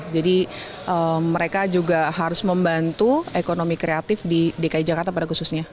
jadi mereka juga harus membantu ekonomi kreatif di dki jakarta pada khususnya